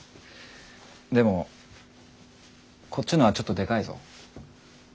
でもこっちのはちょっとでかいぞ。